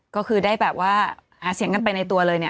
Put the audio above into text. ก็คือได้แบบว่าหาเสียงกันไปในตัวเลยเนี่ย